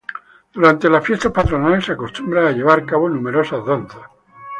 Durante las fiestas patronales se acostumbra llevar a cabo numerosas danzas.